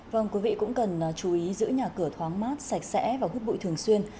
vâng quý vị cũng cần chú ý giữ nhà cửa thoáng mát sạch sẽ và hút bụi thường xuyên